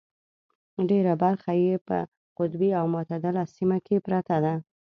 ډېره برخه یې په قطبي او متعدله سیمه کې پرته ده.